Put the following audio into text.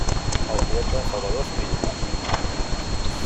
El poeta Salvador Espriu hi vivia.